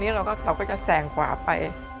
เราก็จะแสงขวาไป